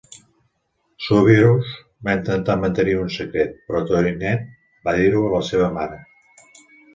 Soubirous va intentar mantenir-ho en secret, però Toinette va dir-ho a la seva mare.